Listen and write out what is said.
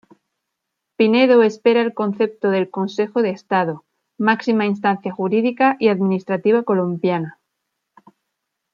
Pinedo espera el concepto del Consejo de Estado, máxima instancia jurídica y administrativa colombiana.